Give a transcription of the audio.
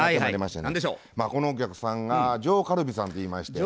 このお客さんが上カルビさんていいまして。